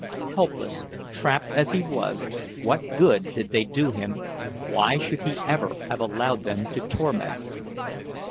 Helpless, trapped, as he was, what good did they do him—why should he ever have allowed them to torment him?